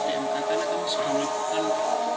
tapi beberapa teman teman itu masih ada yang berpengalaman